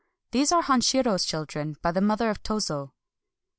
— These are Hanshird's children by the mother of Tozo.